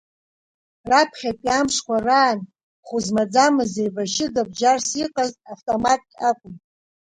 Раԥхьатәи амшқәа раан хәы змаӡамыз еибашьыга бџьарс иҟаз автомат акәын.